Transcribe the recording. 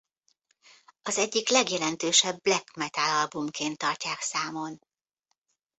Az egyik legjelentősebb black metal albumként tartják számon.